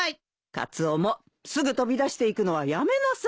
カツオもすぐ飛び出していくのはやめなさい。